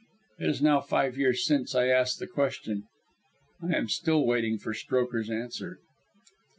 It is now five years since I asked the question. I am still waiting for Strokher's answer.